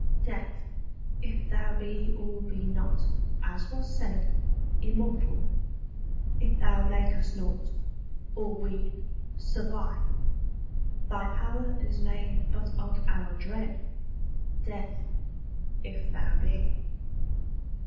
Death, if thou be or be not, as was said, Immortal; if thou make us nought, or we Survive: thy power is made but of our dread, Death, if thou be.